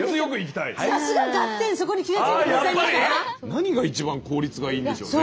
何が一番効率がいいんでしょうね？